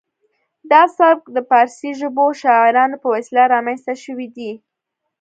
دا سبک د پارسي ژبو شاعرانو په وسیله رامنځته شوی دی